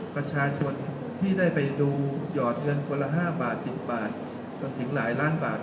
ประชาชนที่ได้ไปดูหยอดเงินคนละ๕บาท๑๐บาทจนถึงหลายล้านบาท